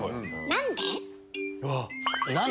何で？